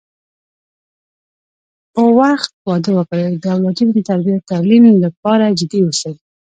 پر وخت واده وکړي د اولادونو د تربی او تعليم لپاره جدي اوسی